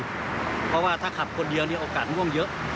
เพราะว่าถ้าขับคนเดียวเนี่ยโอกาสง่วงเยอะ